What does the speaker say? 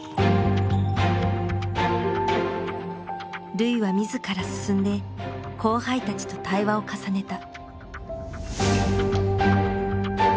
瑠唯は自ら進んで後輩たちと対話を重ねた。